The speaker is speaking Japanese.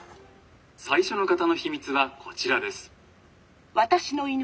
「最初の方の秘密はこちらです」。